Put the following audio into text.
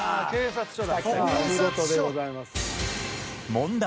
問題。